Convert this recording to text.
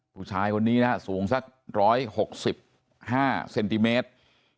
ผู้ชายคนนี้นะสูงสัก๑๖๕เซนติเมตร